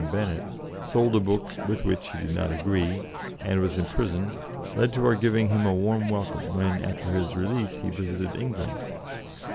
Bennett, sold a book with which he did not agree, and was imprisoned, led to our giving him a warm welcome when, after his release, he visited England.